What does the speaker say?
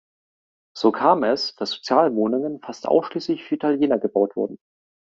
So kam es, dass Sozialwohnungen fast ausschließlich für Italiener gebaut wurden.